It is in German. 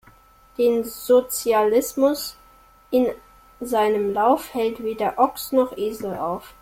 Den Sozialismus in seinem Lauf, hält weder Ochs' noch Esel auf!